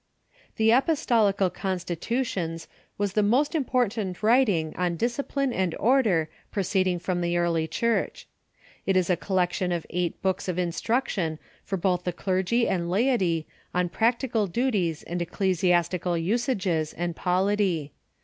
The Apostolical Constitutions was the most important Avrit ing on discipline and order proceeding from the earl}^ Church. It is a collection of eight books of instruction for Apostolical i^oth the clersfV and laity on practical duties and Constitutions ,..,^"^^^..^„,,. ecclesiastical usages and polity.